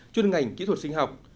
chuyên ngành kỹ thuật sinh học